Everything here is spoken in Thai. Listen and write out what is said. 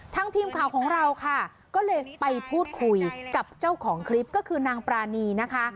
ทีมข่าวของเราค่ะก็เลยไปพูดคุยกับเจ้าของคลิปก็คือนางปรานีนะคะ